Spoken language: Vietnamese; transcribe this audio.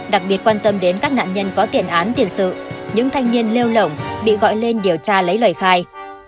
đặc biệt quan tâm đến các nạn nhân có tiền án tiền sự những thanh niên lêu lỏng bị gọi lên điều tra lấy lời khai